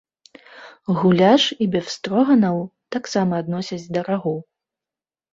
Гуляш і бефстроганаў таксама адносяць да рагу.